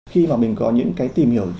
khi mà mình có những cái tìm hiểu